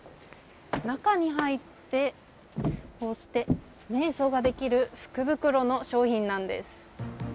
中に入って、こうしてめい想ができる福袋の商品なんです。